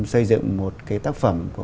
xây dựng một cái tác phẩm